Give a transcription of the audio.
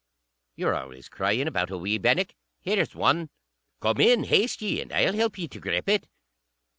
You're always crying about a wee bannock. Here's one. Come in, haste ye, and I'll help ye to grip it."